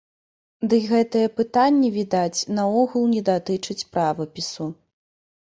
Дый гэтае пытанне, відаць, наогул не датычыць правапісу.